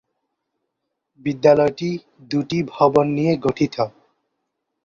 বিদ্যালয়টি দুটি ভবন নিয়ে গঠিত।